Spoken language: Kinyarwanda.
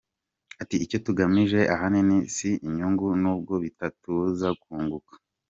Ati “Icyo tugamije ahanini si inyungu n’ubwo bitatubuza kunguka.